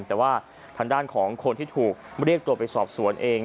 แต่ว่าทางด้านของคนที่ถูกเรียกตัวไปสอบสวนเอง